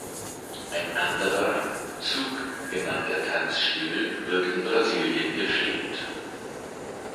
Ein anderer, "Zouk" genannter Tanzstil wird in Brasilien gepflegt.